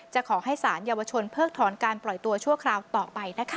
ขอให้สารเยาวชนเพิกถอนการปล่อยตัวชั่วคราวต่อไปนะคะ